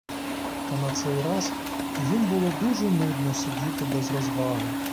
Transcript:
Та на цей раз їм було дуже нудно сидіти без розваги.